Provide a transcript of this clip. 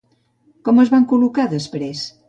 Com es van col·locar després?